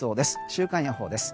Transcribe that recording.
週間予報です。